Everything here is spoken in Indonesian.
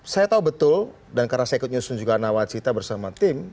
saya tahu betul dan karena saya ikut nyusun juga nawacita bersama tim